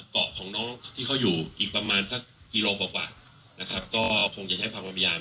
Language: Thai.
เกาะของน้องที่เขาอยู่อีกประมาณสักกิโลกว่ากว่านะครับก็คงจะใช้ความพยายาม